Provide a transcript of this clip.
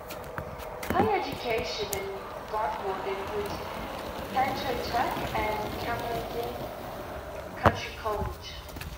Higher education in Blackwood includes Pennco Tech and Camden County College.